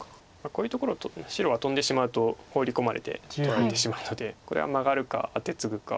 こういうところ白はトンでしまうとホウリ込まれて取られてしまうのでこれはマガるかアテツグか。